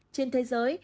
trên thế giới